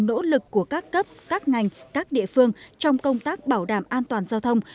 nỗ lực của các cấp các ngành các địa phương trong công tác bảo đảm an toàn giao thông